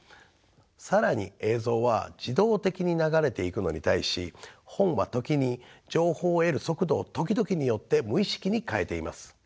更に映像は自動的に流れていくのに対し本は時に情報を得る速度を時々によって無意識に変えています。